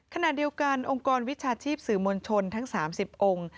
ขณะเดียวกันองค์กรวิชาชีพสื่อมวลชนทั้ง๓๐องค์